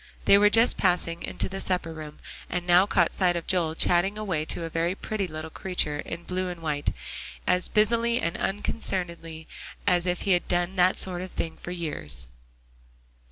They were just passing into the supper room, and now caught sight of Joel chatting away to a very pretty little creature, in blue and white, as busily and unconcernedly as if he had done that sort of thing for years.